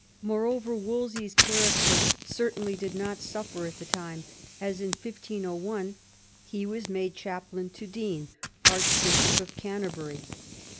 Moreover, Wolsey's character certainly did not suffer at the time, as in 1501 he was made chaplain to Dean, Archbishop of Canterbury.